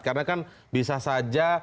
karena kan bisa saja